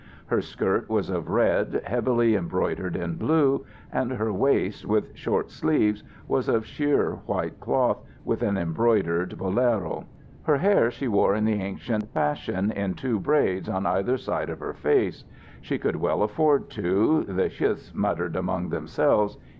Her skirt was of red, heavily embroidered in blue, and her waist, with short sleeves, was of sheer white cloth, with an embroidered bolero. Her hair she wore in the ancient fashion, in two braids on either side of her face. She could well afford to, the chis muttered among themselves.